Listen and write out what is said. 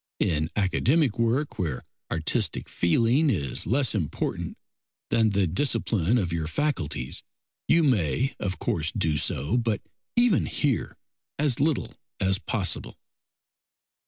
In academic work, where artistic feeling is less important than the discipline of your faculties, you may, of course, do so, but even here as little as possible.